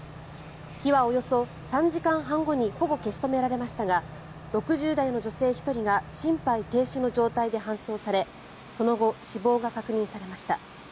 火はおよそ３時間半後にほぼ消し止められましたが６０代の女性１人が心肺停止の状態で搬送されその後、死亡が確認されました。